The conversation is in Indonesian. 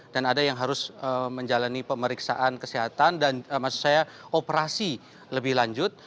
dan ada yang harus menjalani pemeriksaan kesehatan dan operasi lebih lanjut